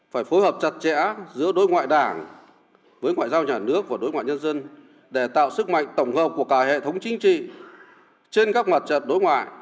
phải phối hợp chặt chẽ giữa đối ngoại đảng với ngoại giao nhà nước và đối ngoại nhân dân để tạo sức mạnh tổng hợp của cả hệ thống chính trị trên các mặt trận đối ngoại